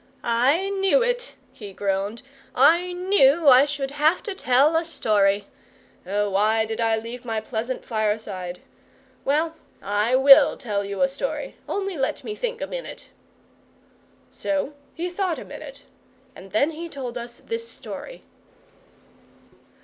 "I knew it," he groaned. "I KNEW I should have to tell a story. Oh, why did I leave my pleasant fireside? Well, I WILL tell you a story. Only let me think a minute." So he thought a minute, and then he told us this story.